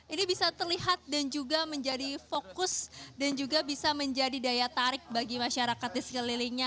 ini bisa terlihat dan juga menjadi fokus dan juga bisa menjadi daya tarik bagi masyarakat di sekelilingnya